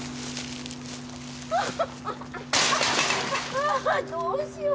あぁどうしよう。